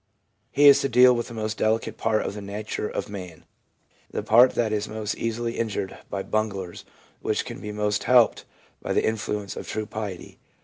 He is to deal with the most delicate part of the nature of man — the part that is most easily injured by bunglers, which can be most helped by the influence of true piety.